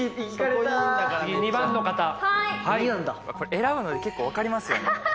選ぶので結構分かりますよね。